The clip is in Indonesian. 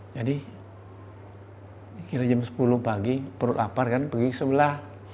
jadi kira jam sepuluh pagi perut lapar kan pergi ke sebelah